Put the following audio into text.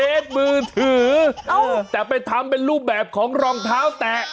มือถือแต่ไปทำเป็นรูปแบบของรองเท้าแตะ